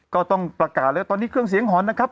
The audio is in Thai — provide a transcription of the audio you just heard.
ก็ต้องประกาศแล้วตอนนี้เครื่องเสียงหอนนะครับ